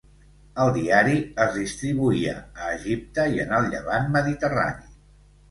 El diari es distribuïa a Egipte i en el Llevant mediterrani.